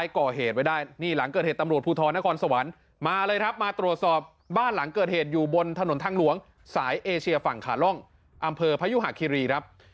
ก่อเหตุไว้ได้นี่หลังเกิดเหตุตำรวจภูทรนครสวรรค์มาเลยครับมาตรวจสอบบ้านหลังเกิดเหตุอยู่บนถนนทางหลวงสายเอเชียฝั่งขาล่องอำเภอพยุหาคิรีครับ